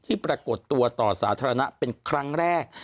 ปรากฏตัวต่อสาธารณะเป็นครั้งแรก